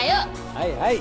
はいはい。